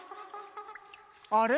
あれ？